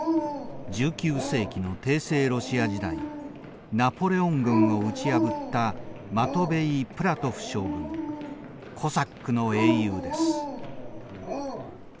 １９世紀の帝政ロシア時代ナポレオン軍を打ち破ったコサックの英雄です。